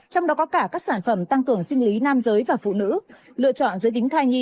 trong đó có cả các sản phẩm tăng cường sinh lý nam giới và phụ nữ lựa chọn giới tính thai nhi